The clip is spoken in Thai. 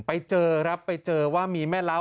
ไปเจอครับไปเจอว่ามีแม่เล้า